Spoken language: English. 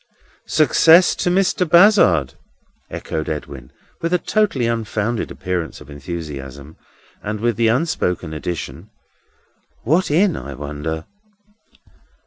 "Success to Mr. Bazzard!" echoed Edwin, with a totally unfounded appearance of enthusiasm, and with the unspoken addition: "What in, I wonder!"